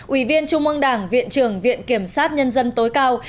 ủy viên trung ương đảng viện trưởng viện kiểm sát nhân dân tối cao